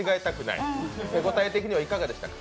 手応え的にはいかがでしたか？